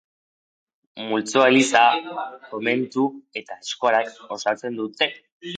Multzoa Eliza, Komentu eta Eskolak osatzen dute.